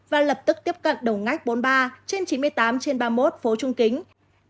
và lập tức tiếp cận đầu ngách bốn mươi ba trên chín mươi tám trên ba mươi một phố trung kính